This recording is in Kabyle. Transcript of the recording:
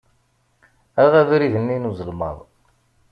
Aɣ abrid-nni n uzelmaḍ.